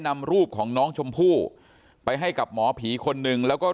นำรูปของน้องชมพู่ไปให้กับหมอผีคนหนึ่งแล้วก็